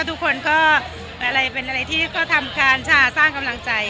ทุกคนจะบินอะไรที่ทำการชาติสร้างกำลังใจ